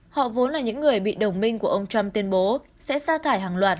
họ vốn là những người bị đồng minh của ông trump tuyên bố sẽ xa thải hàng loạt